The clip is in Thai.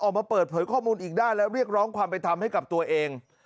ออกมาเปิดเผยข้อมูลอีกด้านและเรียกร้องความเป็นธรรมให้กับตัวเอง